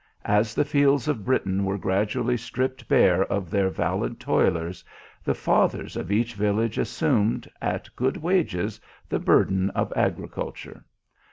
As the fields of Britain were gradually stripped bare of their valid toilers, the Fathers of each village assumed, at good wages, the burden of agriculture.